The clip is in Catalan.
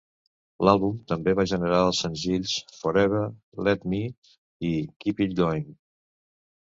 L'àlbum també va generar els senzills "Forever", "Let Me" i "Keep It Going".